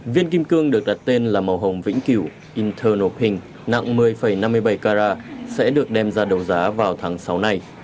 viên kim cương được đặt tên là màu hồng vĩnh cửu inter nộp hình nặng một mươi năm mươi bảy carat sẽ được đem ra đầu giá vào tháng sáu này